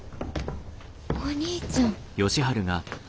お兄ちゃん。